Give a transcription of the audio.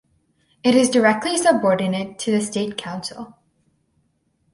It is directly subordinate to the State Council.